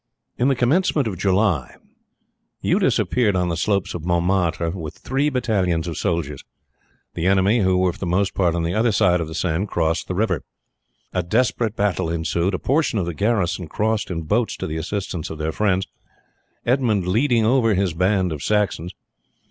In the commencement of July Eudes appeared on the slopes on Mont Martre with three battalions of soldiers. The enemy, who were for the most part on the other side of the Seine, crossed the river. A desperate battle ensued. A portion of the garrison crossed in boats to the assistance of their friends, Edmund leading over his band of Saxons.